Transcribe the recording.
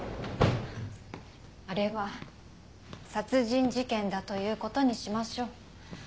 あれは殺人事件だということにしましょう。